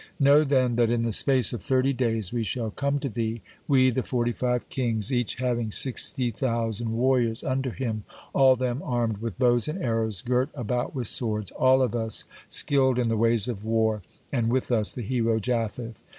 Know, then, that in the space of thirty days, we shall come to thee, we, the forty five kings, each having sixty thousand warriors under him, all them armed with bows and arrows, girt about with swords, all of us skilled in the ways of war, and with us the hero Japheth.